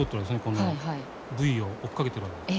このブイを追っかけてるわけです。